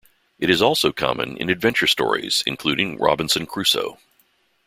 It is also common in adventure stories, including Robinson Crusoe.